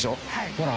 ほら。